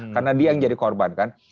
karena dia yang jadi korban kan